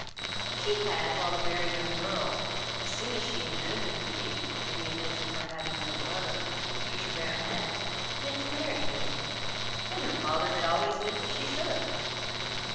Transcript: She had, while a very young girl, as soon as she had known him to be, in the event of her having no brother, the future baronet, meant to marry him, and her father had always meant that she should.